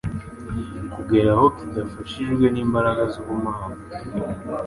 kugeraho kidafashijwe n'imbaraga z'ubumana.